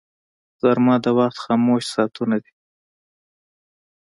غرمه د وخت خاموش ساعتونه دي